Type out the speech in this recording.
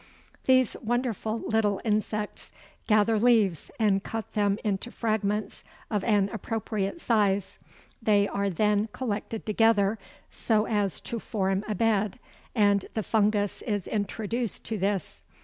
These wonderful little insects gather leaves and cut them into fragments of an appropriate size; they are then collected together so as to form a bed, and the fungus is introduced to this.